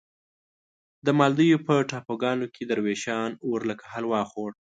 د مالدیو په ټاپوګانو کې دروېشان اور لکه حلوا خوړ.